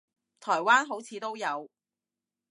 台灣好似都有